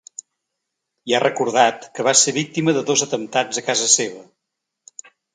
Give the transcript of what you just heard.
I ha recordat que va ser víctima de dos atemptats a casa seva.